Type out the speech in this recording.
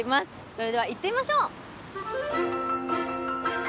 それでは行ってみましょう。